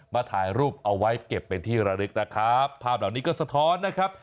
ถ่ายรูปเอาไว้เก็บเป็นที่ระลึกนะครับภาพเหล่านี้ก็สะท้อนนะครับ